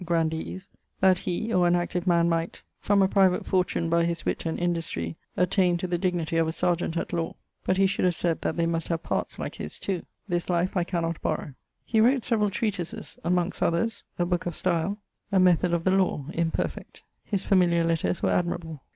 grandees, that he, or an active man might, from a private fortune by his witt and industrie attained to the dignity of a serjeant at lawe but he should have said that they must have parts like his too. This life I cannot borrowe. He wrote severall treatises. Amongst others: a booke of style; a method of the lawe (imperfect). His familiar letters were admirable.